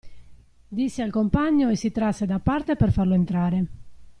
Disse al compagno e si trasse da parte per farlo entrare.